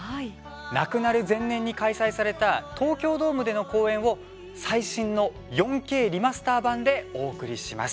亡くなる前年に開催された東京ドームでの公演を最新の４Ｋリマスター版でお送りします。